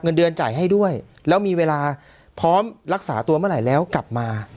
เงินเดือนจ่ายให้ด้วยแล้วมีเวลาพร้อมรักษาตัวเมื่อไหร่แล้วกลับมา